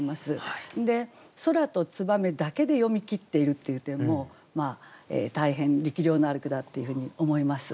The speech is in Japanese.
空と燕だけで詠みきっているっていう点も大変力量のある句だっていうふうに思います。